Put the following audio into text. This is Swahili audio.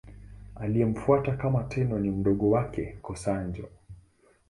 Aliyemfuata kama Tenno ni mdogo wake, Go-Sanjo.